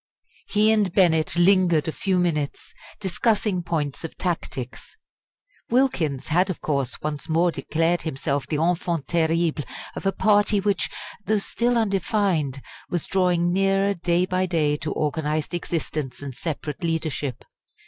He and Bennett lingered a few minutes discussing points of tactics. Wilkins had, of course, once more declared himself the enfant terrible of a party which, though still undefined, was drawing nearer day by day to organised existence and separate leadership.